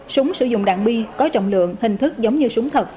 súng sử dụng đạn bi có trọng lượng hình thức giống như súng thật